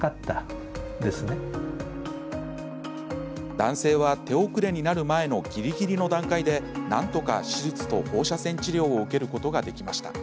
男性は、手遅れになる前のぎりぎりの段階でなんとか手術と放射線治療を受けることができました。